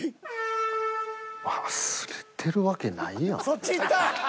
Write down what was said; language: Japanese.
そっちいった！